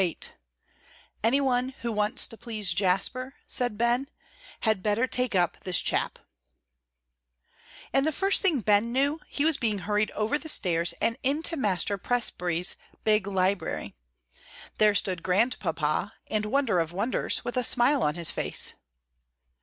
VIII "ANY ONE WHO WANTS TO PLEASE JASPER," SAID BEN, "HAD BETTER TAKE UP THIS CHAP" And the first thing Ben knew, he was being hurried over the stairs and into Master Presbrey's big library. There stood Grandpapa, and, wonder of wonders, with a smile on his face!